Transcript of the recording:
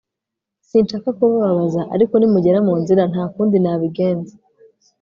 Sinshaka kubabaza ariko nimugera mu nzira nta kundi nabigenza